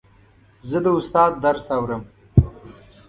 زه د استاد درس اورم.